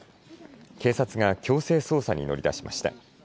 警察が強制捜査に乗り出しました。